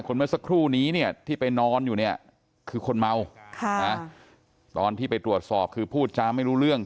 เมื่อสักครู่นี้เนี่ยที่ไปนอนอยู่เนี่ยคือคนเมาตอนที่ไปตรวจสอบคือพูดจาไม่รู้เรื่อง